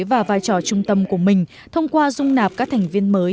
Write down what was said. và vai trò trung tâm của mình thông qua dung nạp các thành viên mới